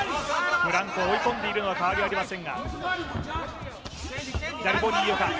フランコを追い込んでいるのは変わりありません。